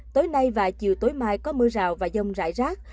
tối nay và chiều tối mai có mưa rào và dông rải rác